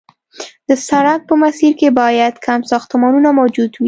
د سړک په مسیر کې باید کم ساختمانونه موجود وي